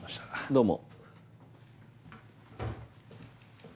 どうも。